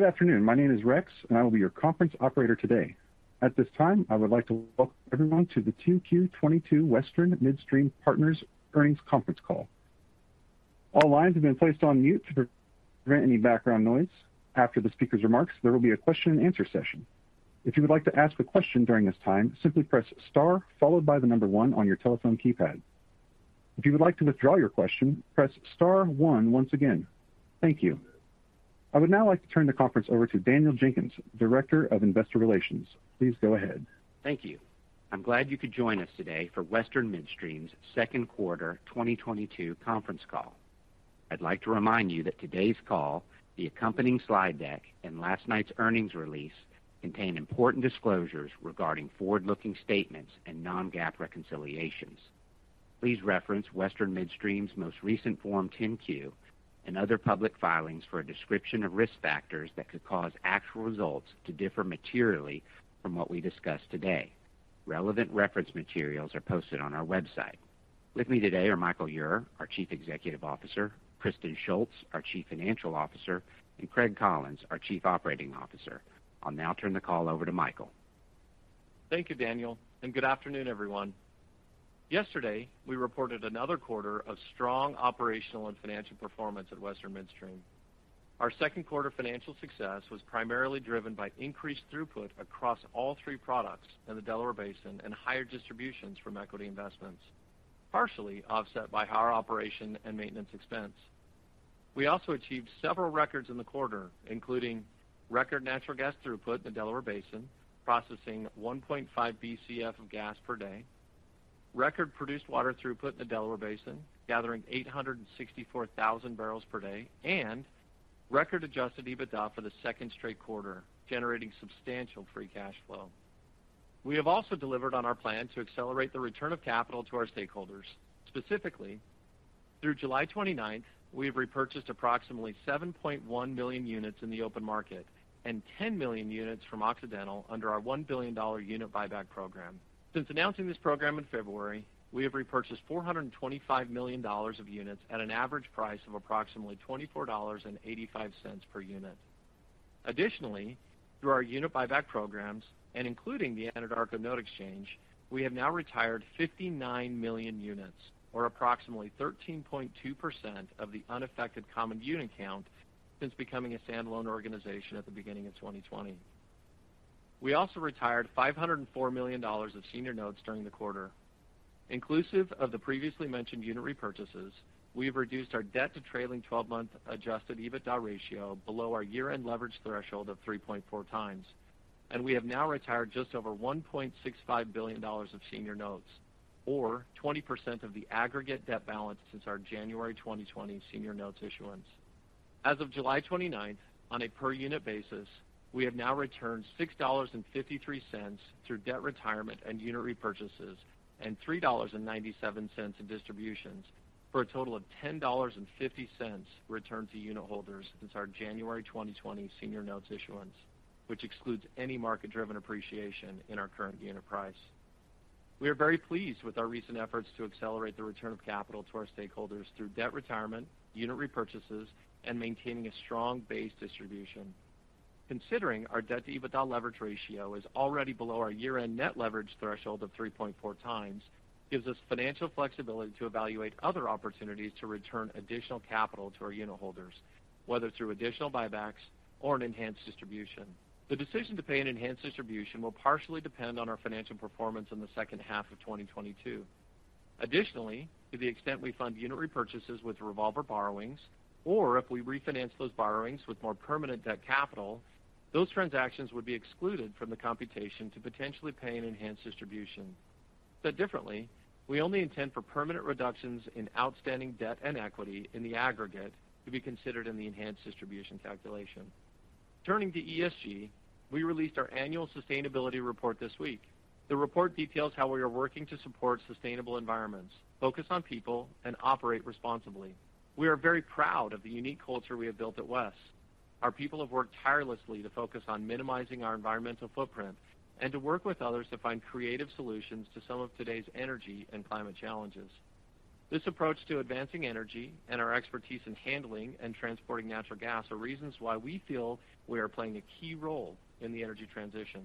Good afternoon. My name is Rex, and I will be your conference operator today. At this time, I would like to welcome everyone to the 2Q 2022 Western Midstream Partners Earnings Conference Call. All lines have been placed on mute to prevent any background noise. After the speaker's remarks, there will be a question and answer session. If you would like to ask a question during this time, simply press star followed by the number one on your telephone keypad. If you would like to withdraw your question, press star one once again. Thank you. I would now like to turn the conference over to Daniel Jenkins, Director of Investor Relations. Please go ahead. Thank you. I'm glad you could join us today for Western Midstream's second quarter 2022 conference call. I'd like to remind you that today's call, the accompanying slide deck and last night's earnings release contain important disclosures regarding forward-looking statements and non-GAAP reconciliations. Please reference Western Midstream's most recent Form 10-Q and other public filings for a description of risk factors that could cause actual results to differ materially from what we discuss today. Relevant reference materials are posted on our website. With me today are Michael Ure, our Chief Executive Officer, Kristen Shults, our Chief Financial Officer, and Craig Collins, our Chief Operating Officer. I'll now turn the call over to Michael. Thank you, Daniel, and good afternoon, everyone. Yesterday, we reported another quarter of strong operational and financial performance at Western Midstream. Our second quarter financial success was primarily driven by increased throughput across all three products in the Delaware Basin and higher distributions from equity investments, partially offset by higher operation and maintenance expense. We also achieved several records in the quarter, including record natural gas throughput in the Delaware Basin, processing 1.5 Bcf of gas per day, record produced water throughput in the Delaware Basin, gathering 864,000 barrels per day, record Adjusted EBITDA for the second straight quarter, generating substantial free cash flow. We have also delivered on our plan to accelerate the return of capital to our stakeholders. Specifically, through July 29, we have repurchased approximately 7.1 million units in the open market and 10 million units from Occidental under our $1 billion unit buyback program. Since announcing this program in February, we have repurchased $425 million of units at an average price of approximately $24.85 per unit. Additionally, through our unit buyback programs and including the Anadarko note exchange, we have now retired 59 million units or approximately 13.2% of the unaffected common unit count since becoming a standalone organization at the beginning of 2020. We also retired $504 million of senior notes during the quarter. Inclusive of the previously mentioned unit repurchases, we have reduced our debt-to trailing 12-month Adjusted EBITDA ratio below our year-end leverage threshold of 3.4 times. We have now retired just over $1.65 billion of senior notes or 20% of the aggregate debt balance since our January 2020 senior notes issuance. As of July 29, on a per unit basis, we have now returned $6.53 through debt retirement and unit repurchases and $3.97 in distributions for a total of $10.50 returned to unitholders since our January 2020 senior notes issuance, which excludes any market-driven appreciation in our current unit price. We are very pleased with our recent efforts to accelerate the return of capital to our stakeholders through debt retirement, unit repurchases, and maintaining a strong base distribution. Considering our debt to EBITDA leverage ratio is already below our year-end net leverage threshold of 3.4 times gives us financial flexibility to evaluate other opportunities to return additional capital to our unitholders, whether through additional buybacks or an enhanced distribution. The decision to pay an enhanced distribution will partially depend on our financial performance in the second half of 2022. Additionally, to the extent we fund unit repurchases with revolver borrowings or if we refinance those borrowings with more permanent debt capital, those transactions would be excluded from the computation to potentially pay an enhanced distribution. Said differently, we only intend for permanent reductions in outstanding debt and equity in the aggregate to be considered in the enhanced distribution calculation. Turning to ESG, we released our annual sustainability report this week. The report details how we are working to support sustainable environments, focus on people, and operate responsibly. We are very proud of the unique culture we have built at WES. Our people have worked tirelessly to focus on minimizing our environmental footprint and to work with others to find creative solutions to some of today's energy and climate challenges. This approach to advancing energy and our expertise in handling and transporting natural gas are reasons why we feel we are playing a key role in the energy transition.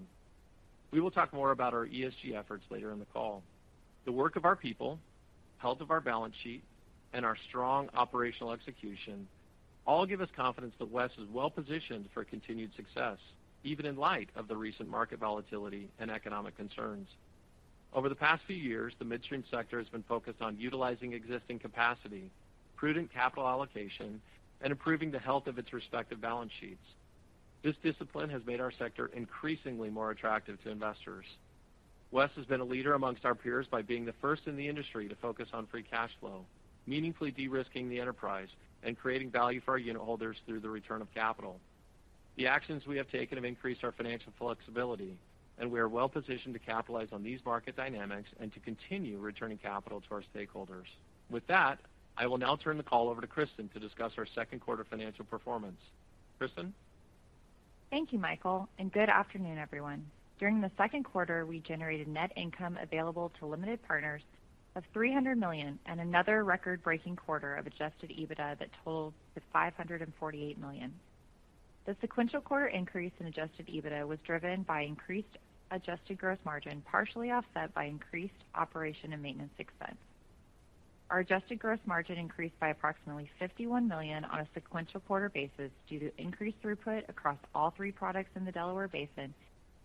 We will talk more about our ESG efforts later in the call. The work of our people, health of our balance sheet, and our strong operational execution all give us confidence that WES is well positioned for continued success, even in light of the recent market volatility and economic concerns. Over the past few years, the midstream sector has been focused on utilizing existing capacity, prudent capital allocation, and improving the health of its respective balance sheets. This discipline has made our sector increasingly more attractive to investors. WES has been a leader amongst our peers by being the first in the industry to focus on free cash flow, meaningfully de-risking the enterprise, and creating value for our unitholders through the return of capital. The actions we have taken have increased our financial flexibility, and we are well positioned to capitalize on these market dynamics and to continue returning capital to our stakeholders. With that, I will now turn the call over to Kristen to discuss our second quarter financial performance. Kristen? Thank you, Michael, and good afternoon, everyone. During the second quarter, we generated net income available to limited partners $300 million and another record-breaking quarter of Adjusted EBITDA that totaled $548 million. The sequential quarter increase in Adjusted EBITDA was driven by increased adjusted gross margin, partially offset by increased operations and maintenance expense. Our adjusted gross margin increased by approximately $51 million on a sequential quarter basis due to increased throughput across all three products in the Delaware Basin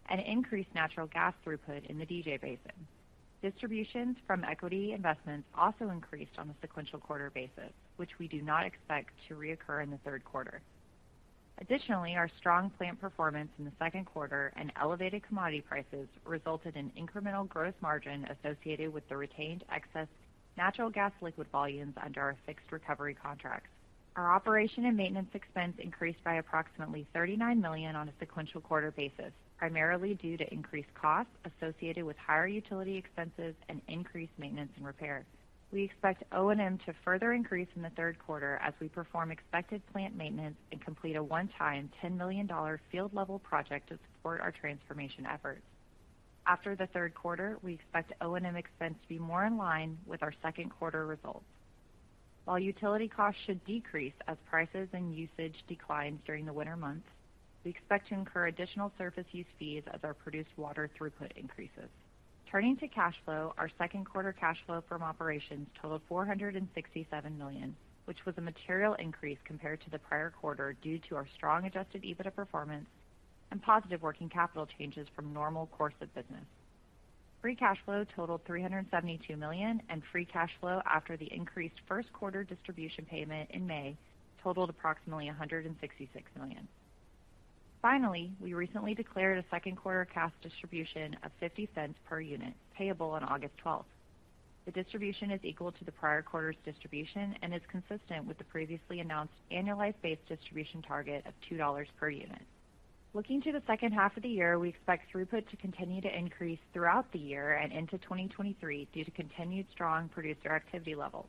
and increased natural gas throughput in the DJ Basin. Distributions from equity investments also increased on a sequential quarter basis, which we do not expect to recur in the third quarter. Additionally, our strong plant performance in the second quarter and elevated commodity prices resulted in incremental gross margin associated with the retained excess natural gas liquid volumes under our fixed-recovery contracts. Our operation and maintenance expense increased by approximately $39 million on a sequential quarter basis, primarily due to increased costs associated with higher utility expenses and increased maintenance and repair. We expect O&M to further increase in the third quarter as we perform expected plant maintenance and complete a one-time $10 million field level project to support our transformation efforts. After the third quarter, we expect O&M expense to be more in line with our second quarter results. While utility costs should decrease as prices and usage declines during the winter months, we expect to incur additional surface use fees as our produced water throughput increases. Turning to cash flow, our second quarter cash flow from operations totaled $467 million, which was a material increase compared to the prior quarter due to our strong adjusted EBITDA performance and positive working capital changes from normal course of business. Free cash flow totaled $372 million, and free cash flow after the increased first quarter distribution payment in May totaled approximately $166 million. Finally, we recently declared a second quarter cash distribution of $0.50 per unit payable on August 12. The distribution is equal to the prior quarter's distribution and is consistent with the previously announced annualized-based distribution target of $2 per unit. Looking to the second half of the year, we expect throughput to continue to increase throughout the year and into 2023 due to continued strong producer activity levels.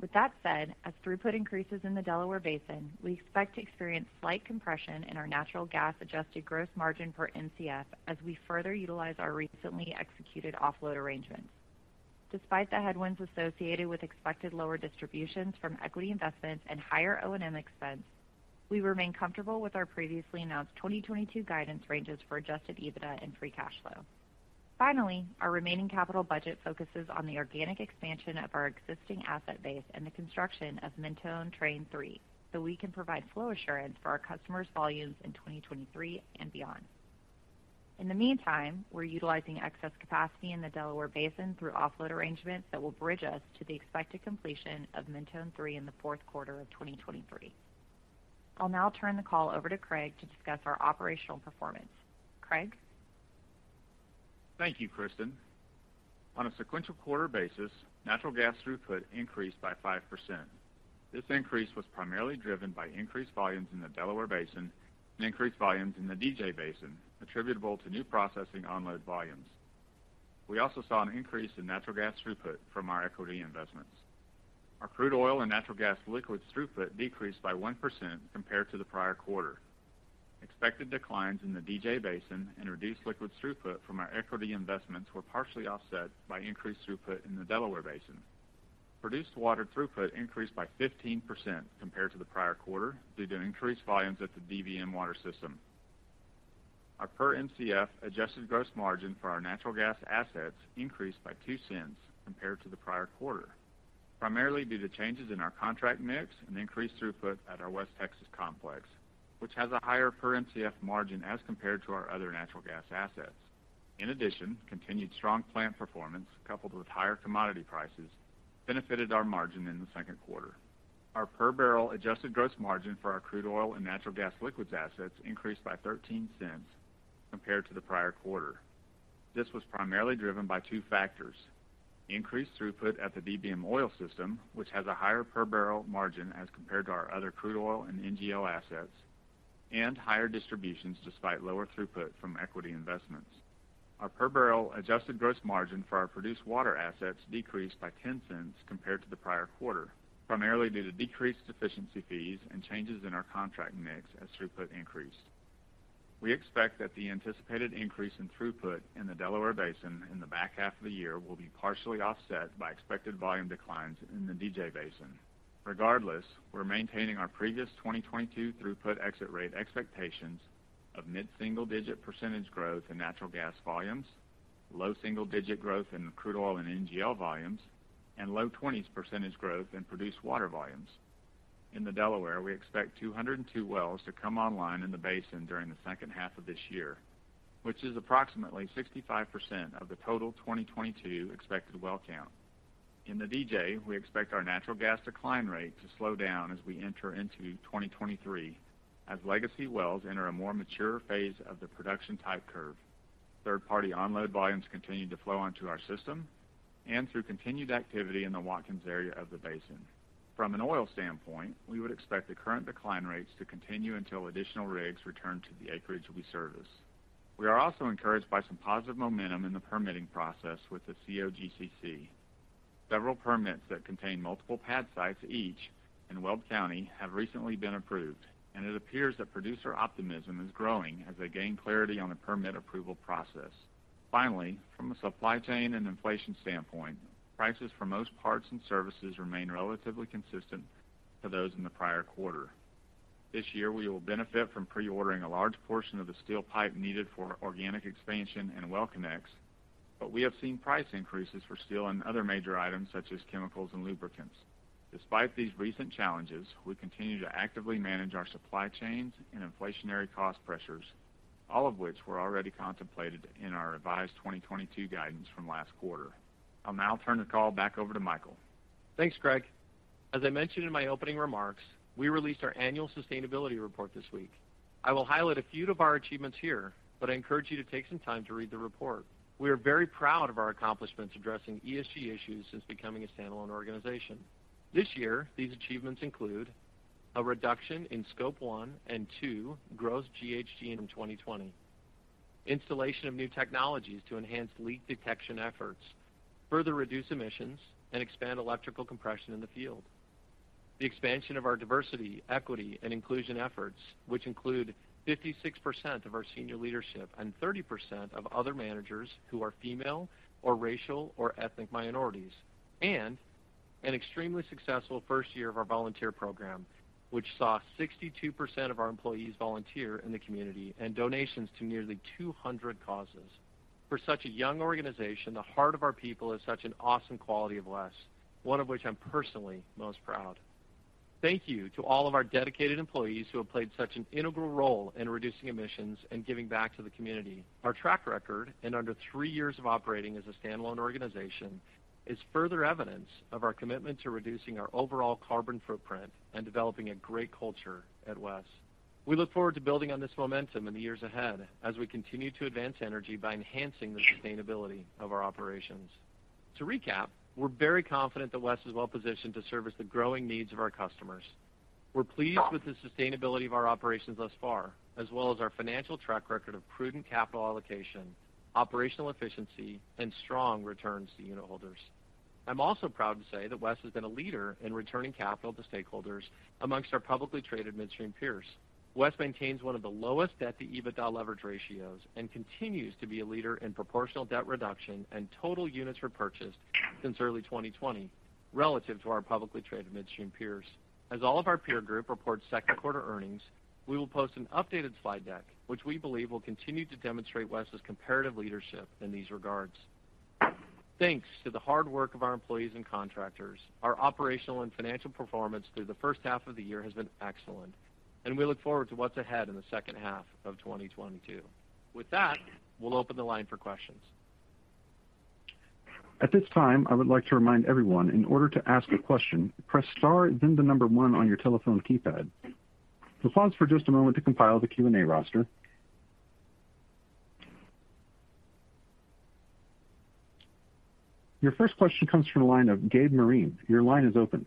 With that said, as throughput increases in the Delaware Basin, we expect to experience slight compression in our natural gas adjusted gross margin per Mcf as we further utilize our recently executed offload arrangements. Despite the headwinds associated with expected lower distributions from equity investments and higher O&M expense, we remain comfortable with our previously announced 2022 guidance ranges for Adjusted EBITDA and free cash flow. Finally, our remaining capital budget focuses on the organic expansion of our existing asset base and the construction of Mentone Train 3, so we can provide flow assurance for our customers' volumes in 2023 and beyond. In the meantime, we're utilizing excess capacity in the Delaware Basin through offload arrangements that will bridge us to the expected completion of Mentone 3 in the fourth quarter of 2023. I'll now turn the call over to Craig to discuss our operational performance. Craig? Thank you, Kristen. On a sequential quarter basis, natural gas throughput increased by 5%. This increase was primarily driven by increased volumes in the Delaware Basin and increased volumes in the DJ Basin attributable to new processing unload volumes. We also saw an increase in natural gas throughput from our equity investments. Our crude oil and natural gas liquids throughput decreased by 1% compared to the prior quarter. Expected declines in the DJ Basin and reduced liquid throughput from our equity investments were partially offset by increased throughput in the Delaware Basin. Produced water throughput increased by 15% compared to the prior quarter due to increased volumes at the DBM water system. Our per Mcf adjusted gross margin for our natural gas assets increased by $0.02 compared to the prior quarter, primarily due to changes in our contract mix and increased throughput at our WES Texas complex, which has a higher per Mcf margin as compared to our other natural gas assets. In addition, continued strong plant performance coupled with higher commodity prices benefited our margin in the second quarter. Our per barrel adjusted gross margin for our crude oil and natural gas liquids assets increased by $0.13 compared to the prior quarter. This was primarily driven by two factors, increased throughput at the DBM oil system, which has a higher per barrel margin as compared to our other crude oil and NGL assets, and higher distributions despite lower throughput from equity investments. Our per barrel adjusted gross margin for our produced water assets decreased by $0.10 compared to the prior quarter, primarily due to decreased deficiency fee and changes in our contract mix as throughput increased. We expect that the anticipated increase in throughput in the Delaware Basin in the back half of the year will be partially offset by expected volume declines in the DJ Basin. Regardless, we're maintaining our previous 2022 throughput exit rate expectations of mid-single-digit percentage growth in natural gas volumes, low single-digit percentage growth in crude oil and NGL volumes, and low twenties percentage growth in produced water volumes. In the Delaware, we expect 202 wells to come online in the basin during the second half of this year, which is approximately 65% of the total 2022 expected well count. In the DJ, we expect our natural gas decline rate to slow down as we enter into 2023 as legacy wells enter a more mature phase of the production type curve. Third-party unload volumes continue to flow onto our system and through continued activity in the Wattenberg area of the basin. From an oil standpoint, we would expect the current decline rates to continue until additional rigs return to the acreage we service. We are also encouraged by some positive momentum in the permitting process with the COGCC. Several permits that contain multiple pad sites each in Weld County have recently been approved, and it appears that producer optimism is growing as they gain clarity on the permit approval process. Finally, from a supply chain and inflation standpoint, prices for most parts and services remain relatively consistent to those in the prior quarter. This year, we will benefit from pre-ordering a large portion of the steel pipe needed for organic expansion and well connects, but we have seen price increases for steel and other major items such as chemicals and lubricants. Despite these recent challenges, we continue to actively manage our supply chains and inflationary cost pressures, all of which were already contemplated in our revised 2022 guidance from last quarter. I'll now turn the call back over to Michael. Thanks, Craig. As I mentioned in my opening remarks, we released our annual sustainability report this week. I will highlight a few of our achievements here, but I encourage you to take some time to read the report. We are very proud of our accomplishments addressing ESG issues since becoming a standalone organization. This year, these achievements include a reduction in Scope 1 and 2 gross GHG in 2020. Installation of new technologies to enhance leak detection efforts, further reduce emissions and expand electrical compression in the field. The expansion of our diversity, equity and inclusion efforts, which include 56% of our senior leadership and 30% of other managers who are female or racial or ethnic minorities, and an extremely successful first year of our volunteer program, which saw 62% of our employees volunteer in the community and donations to nearly 200 causes. For such a young organization, the heart of our people is such an awesome quality of life, one of which I'm personally most proud. Thank you to all of our dedicated employees who have played such an integral role in reducing emissions and giving back to the community. Our track record in under three years of operating as a standalone organization is further evidence of our commitment to reducing our overall carbon footprint and developing a great culture at WES. We look forward to building on this momentum in the years ahead as we continue to advance energy by enhancing the sustainability of our operations. To recap, we're very confident that WES is well positioned to service the growing needs of our customers. We're pleased with the sustainability of our operations thus far, as well as our financial track record of prudent capital allocation, operational efficiency, and strong returns to unitholders. I'm also proud to say that WES has been a leader in returning capital to stakeholders among our publicly traded midstream peers. WES maintains one of the lowest debt-to-EBITDA leverage ratios and continues to be a leader in proportional debt reduction and total units repurchased since early 2020 relative to our publicly traded midstream peers. As all of our peer group report second quarter earnings, we will post an updated slide deck, which we believe will continue to demonstrate WES's comparative leadership in these regards. Thanks to the hard work of our employees and contractors, our operational and financial performance through the first half of the year has been excellent, and we look forward to what's ahead in the second half of 2022. With that, we'll open the line for questions. At this time, I would like to remind everyone, in order to ask a question, press star, then the number one on your telephone keypad. We'll pause for just a moment to compile the Q&A roster. Your first question comes from the line of Gabriel Moreen. Your line is open.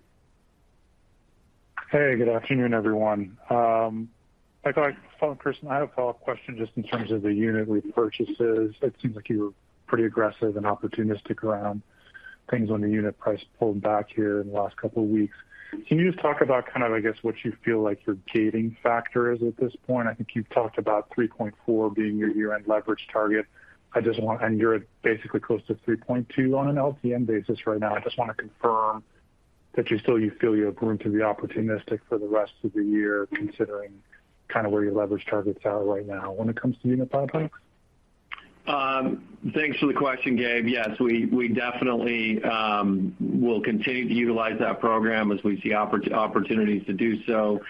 Hey, good afternoon, everyone. I thought I'd follow Kristen. I have a follow-up question just in terms of the unit repurchases. It seems like you were pretty aggressive and opportunistic around things when the unit price pulled back here in the last couple of weeks. Can you just talk about kind of, I guess, what you feel like your gating factor is at this point? I think you've talked about 3.4 being your year-end leverage target. You're basically close to 3.2 on an LTM basis right now. I just want to confirm that you still feel you have room to be opportunistic for the rest of the year, considering kind of where your leverage targets are right now when it comes to unit buybacks. Thanks for the question, Gabe. Yes, we definitely will continue to utilize that program as we see opportunities to do so.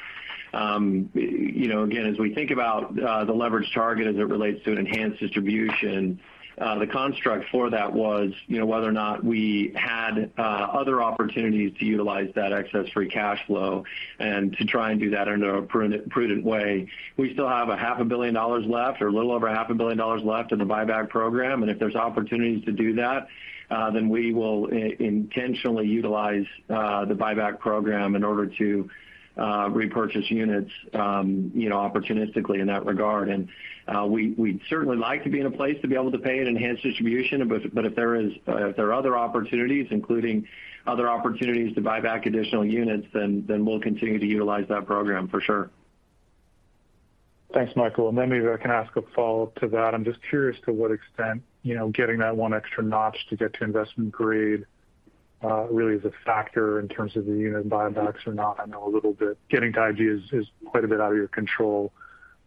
You know, again, as we think about the leverage target as it relates to an enhanced distribution, the construct for that was, you know, whether or not we had other opportunities to utilize that excess free cash flow and to try and do that in a prudent way. We still have a half a billion dollars left or a little over a half a billion dollars left in the buyback program. If there's opportunities to do that, then we will intentionally utilize the buyback program in order to repurchase units, you know, opportunistically in that regard. We'd certainly like to be in a place to be able to pay an enhanced distribution. If there are other opportunities, including other opportunities to buy back additional units, then we'll continue to utilize that program for sure. Thanks, Michael. Maybe I can ask a follow-up to that. I'm just curious to what extent, you know, getting that one extra notch to get to investment grade really is a factor in terms of the unit buybacks or not. I know a little bit getting to IG is quite a bit out of your control.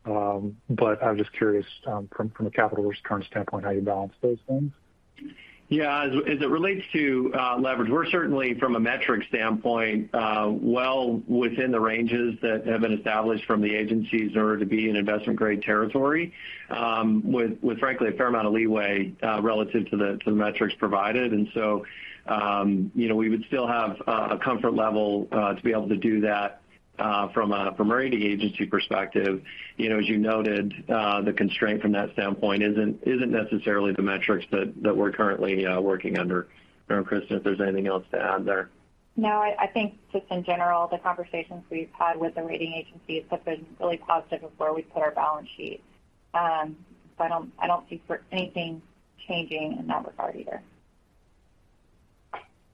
I'm just curious, from a capital return standpoint, how you balance those things. Yeah. As it relates to leverage, we're certainly from a metric standpoint well within the ranges that have been established from the agencies in order to be in investment grade territory, with frankly a fair amount of leeway relative to the metrics provided. You know, we would still have a comfort level to be able to do that from a rating agency perspective. You know, as you noted, the constraint from that standpoint isn't necessarily the metrics that we're currently working under. I don't know, Kristen, if there's anything else to add there. No, I think just in general, the conversations we've had with the rating agencies have been really positive about where we put our balance sheet. I don't see anything changing in that regard either.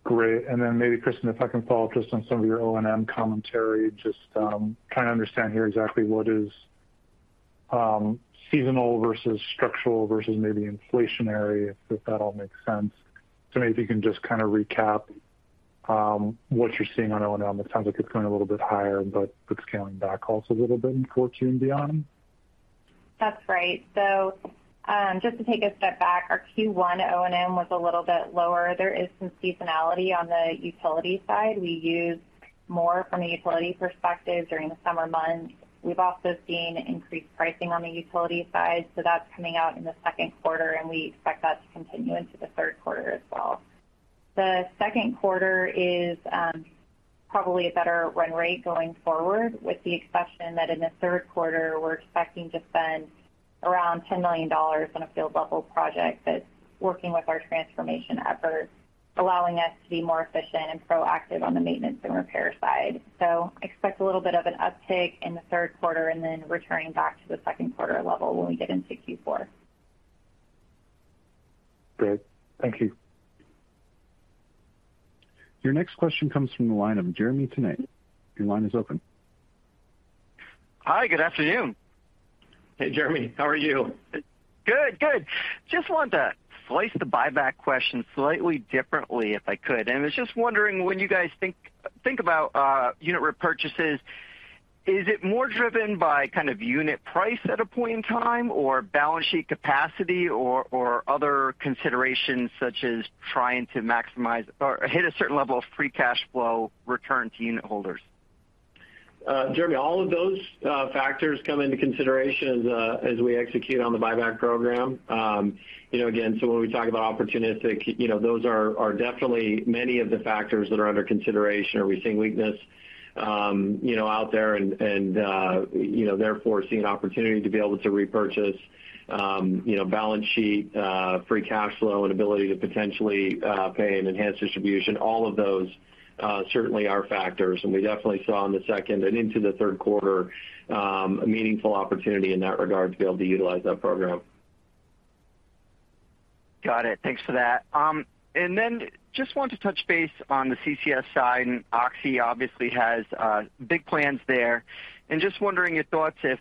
Great. Maybe Kristen, if I can follow up just on some of your O&M commentary, just trying to understand here exactly what is seasonal versus structural versus maybe inflationary, if that all makes sense. Maybe if you can just kind of recap what you're seeing on O&M. It sounds like it's going a little bit higher, but it's scaling back also a little bit in Q2 and beyond. That's right. Just to take a step back, our Q1 O&M was a little bit lower. There is some seasonality on the utility side. We use more from a utility perspective during the summer months. We've also seen increased pricing on the utility side, so that's coming out in the second quarter, and we expect that to continue into the third quarter as well. The second quarter is probably a better run rate going forward with the exception that in the third quarter we're expecting to spend around $10 million on a field level project that's working with our transformation efforts, allowing us to be more efficient and proactive on the maintenance and repair side. Expect a little bit of an uptick in the third quarter and then returning back to the second quarter level when we get into Q4. Great. Thank you. Your next question comes from the line of Jeremy Tonet. Your line is open. Hi, good afternoon. Hey, Jeremy. How are you? Good. Good. Just wanted to slice the buyback question slightly differently if I could. I was just wondering, when you guys think about unit repurchases, is it more driven by kind of unit price at a point in time or balance sheet capacity or other considerations such as trying to maximize or hit a certain level of free cash flow return to unit holders? Jeremy, all of those factors come into consideration as we execute on the buyback program. You know, again, when we talk about opportunistic, you know, those are definitely many of the factors that are under consideration. Are we seeing weakness, you know, out there and therefore seeing opportunity to be able to repurchase, you know, balance sheet, free cash flow and ability to potentially pay an enhanced distribution. All of those certainly are factors. We definitely saw in the second and into the third quarter, a meaningful opportunity in that regard to be able to utilize that program. Got it. Thanks for that. Just want to touch base on the CCS side, and Oxy obviously has big plans there. Just wondering your thoughts if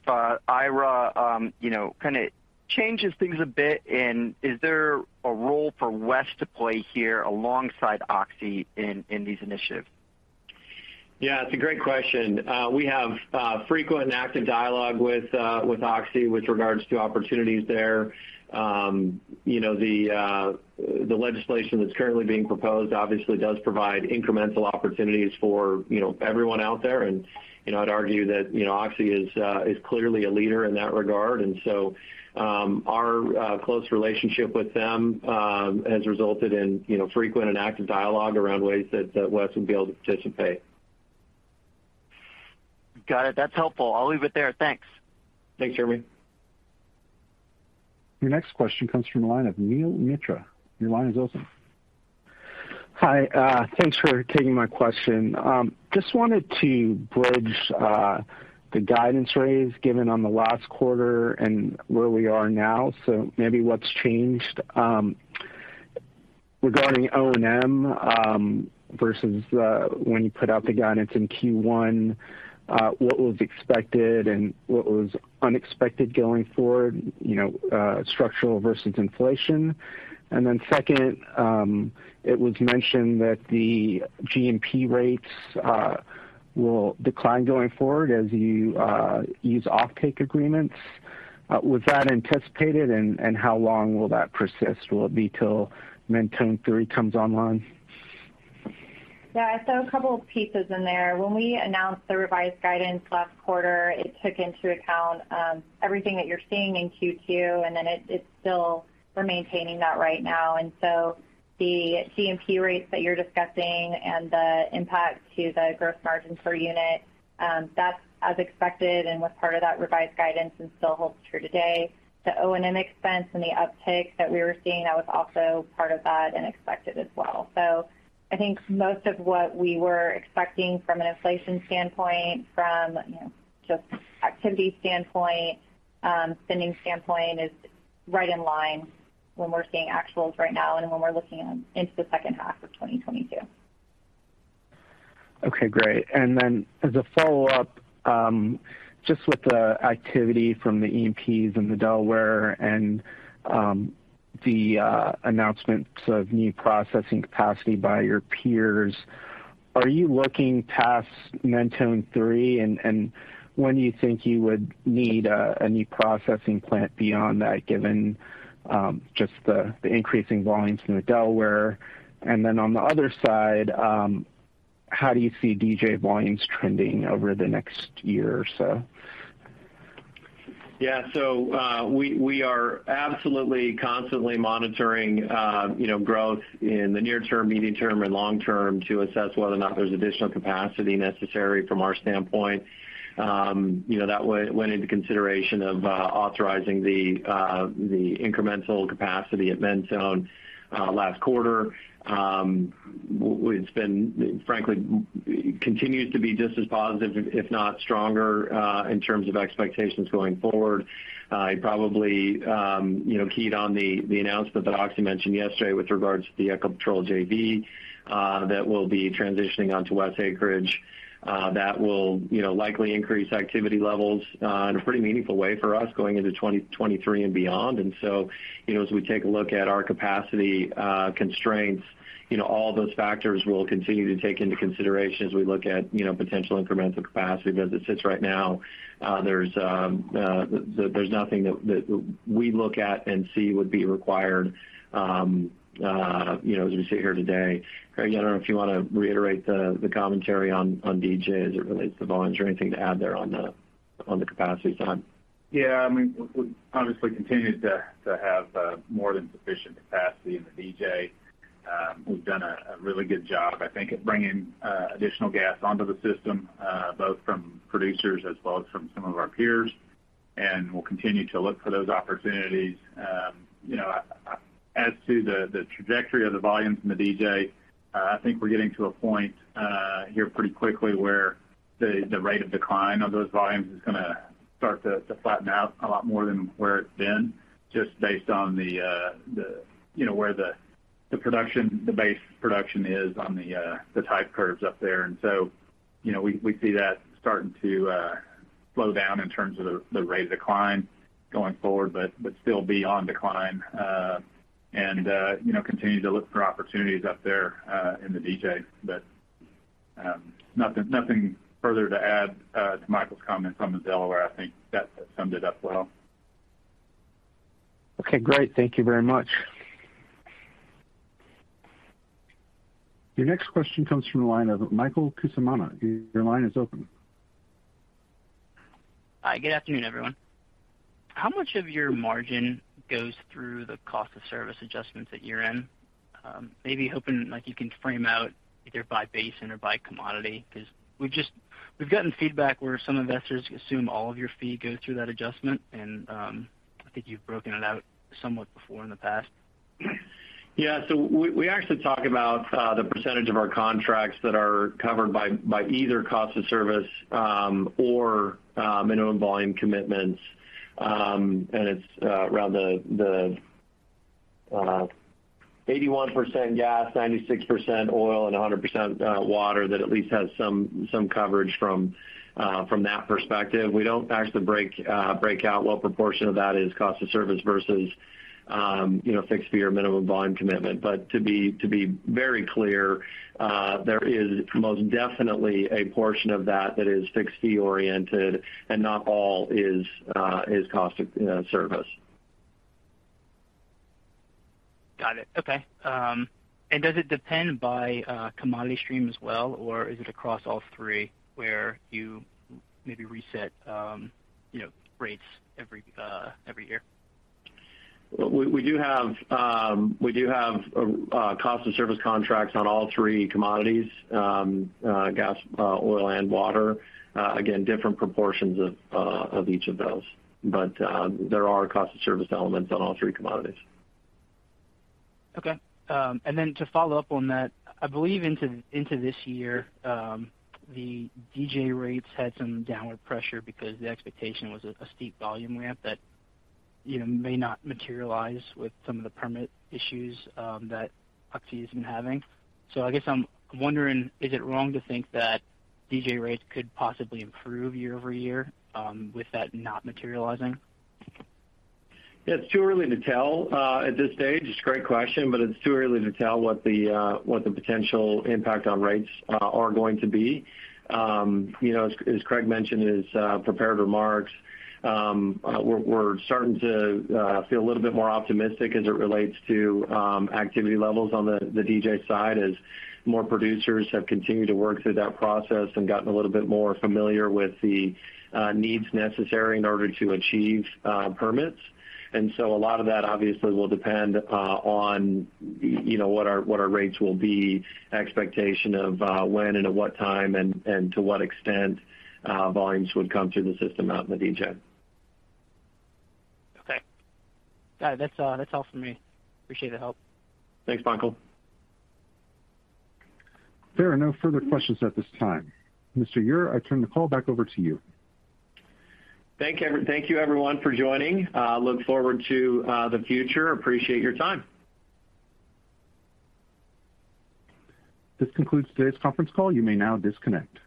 IRA you know kind of changes things a bit, and is there a role for WES to play here alongside Oxy in these initiatives? Yeah, it's a great question. We have frequent and active dialogue with Oxy with regards to opportunities there. You know, the legislation that's currently being proposed obviously does provide incremental opportunities for you know, everyone out there. You know, I'd argue that you know, Oxy is clearly a leader in that regard. Our close relationship with them has resulted in you know, frequent and active dialogue around ways that WES would be able to participate. Got it. That's helpful. I'll leave it there. Thanks. Thanks, Jeremy. Your next question comes from the line of Neel Mitra. Your line is open. Hi. Thanks for taking my question. Just wanted to bridge the guidance raise given on the last quarter and where we are now, so maybe what's changed regarding O&M versus when you put out the guidance in Q1, what was expected and what was unexpected going forward, you know, structural versus inflation. Then second, it was mentioned that the GMP rates will decline going forward as you use offtake agreements. Was that anticipated, and how long will that persist? Will it be till Mentone Train III comes online? Yeah. I saw a couple of pieces in there. When we announced the revised guidance last quarter, it took into account everything that you're seeing in Q2, and then it's still we're maintaining that right now. The GMP rates that you're discussing and the impact to the gross margin per unit, that's as expected and was part of that revised guidance and still holds true today. The O&M expense and the uptick that we were seeing, that was also part of that and expected as well. I think most of what we were expecting from an inflation standpoint, from you know, just activity standpoint, spending standpoint is right in line with what we're seeing actuals right now and when we're looking into the second half of 2022. Okay, great. As a follow-up, just with the activity from the E&Ps in the Delaware and the announcements of new processing capacity by your peers, are you looking past Mentone Three? When do you think you would need a new processing plant beyond that, given just the increasing volumes from the Delaware? On the other side, how do you see DJ volumes trending over the next year or so? Yeah. We are absolutely constantly monitoring, you know, growth in the near term, medium term, and long term to assess whether or not there's additional capacity necessary from our standpoint. You know, that went into consideration of authorizing the incremental capacity at Mentone last quarter. Frankly, continues to be just as positive, if not stronger, in terms of expectations going forward. I probably, you know, keyed on the announcement that Oxy mentioned yesterday with regards to the Ecopetrol JV, that will be transitioning on to Western acreage. That will, you know, likely increase activity levels in a pretty meaningful way for us going into 2023 and beyond. you know, as we take a look at our capacity constraints, you know, all those factors we'll continue to take into consideration as we look at, you know, potential incremental capacity. As it sits right now, there's nothing that we look at and see would be required, you know, as we sit here today. Craig, I don't know if you wanna reiterate the commentary on DJ as it relates to volumes or anything to add there on the capacity side. Yeah, I mean, we obviously continue to have more than sufficient capacity in the DJ. We've done a really good job, I think, at bringing additional gas onto the system, both from producers as well as from some of our peers, and we'll continue to look for those opportunities. You know, as to the trajectory of the volumes in the DJ, I think we're getting to a point here pretty quickly where the rate of decline of those volumes is gonna start to flatten out a lot more than where it's been, just based on where the base production is on the type curves up there. You know, we see that starting to slow down in terms of the rate of decline going forward, but still be on decline, and you know, continue to look for opportunities up there in the DJ. Nothing further to add to Michael's comments on the Delaware. I think that summed it up well. Okay, great. Thank you very much. Your next question comes from the line of Michael Kisanama. Your line is open. Hi, good afternoon, everyone. How much of your margin goes through the cost of service adjustments at year-end? Maybe hoping, like, you can frame out either by basin or by commodity, 'cause we've gotten feedback where some investors assume all of your fee goes through that adjustment, and I think you've broken it out somewhat before in the past. Yeah. We actually talk about the percentage of our contracts that are covered by either cost of service or minimum volume commitments. It's around the 81% gas, 96% oil, and 100% water that at least has some coverage from that perspective. We don't actually break out what proportion of that is cost of service versus, you know, fixed fee or minimum volume commitment. To be very clear, there is most definitely a portion of that that is fixed fee oriented, and not all is cost of service. Got it. Okay. Does it depend by commodity stream as well, or is it across all three where you maybe reset, you know, rates every year? We do have cost of service contracts on all three commodities, gas, oil and water. Again, different proportions of each of those. There are cost of service elements on all three commodities. Okay. To follow up on that, I believe into this year, the DJ rates had some downward pressure because the expectation was a steep volume ramp that, you know, may not materialize with some of the permit issues that Oxy has been having. I guess I'm wondering, is it wrong to think that DJ rates could possibly improve year-over-year, with that not materializing? It's too early to tell at this stage. It's a great question, but it's too early to tell what the potential impact on rates are going to be. You know, as Craig mentioned in his prepared remarks, we're starting to feel a little bit more optimistic as it relates to activity levels on the DJ side as more producers have continued to work through that process and gotten a little bit more familiar with the needs necessary in order to achieve permits. A lot of that obviously will depend on you know what our rates will be, expectation of when and at what time, and to what extent volumes would come through the system out in the DJ. Okay. Got it. That's all for me. Appreciate the help. Thanks, Michael. There are no further questions at this time. Mr. Ure, I turn the call back over to you. Thank you everyone for joining. Look forward to the future. Appreciate your time. This concludes today's conference call. You may now disconnect.